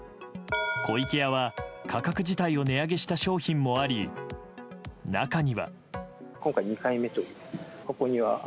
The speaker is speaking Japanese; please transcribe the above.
湖池屋は価格自体を値上げした商品もあり中には。